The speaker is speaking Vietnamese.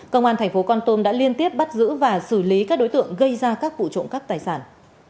công an thành phố con tum đã liên tiếp bắt giữ và xử lý các đối tượng gây ra các vụ trộm cắp tài sản